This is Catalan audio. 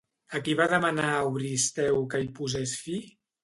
A qui va demanar Euristeu que hi posés fi?